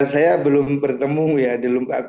saya belum bertemu ya di lumpak tabayun